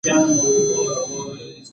په افغانستان کې لومړنی دولت څنګه جوړ سو؟